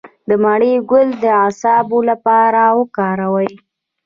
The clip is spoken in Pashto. د مڼې ګل د اعصابو لپاره وکاروئ